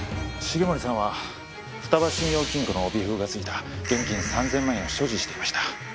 重森さんはふたば信用金庫の帯封が付いた現金３０００万円を所持していました。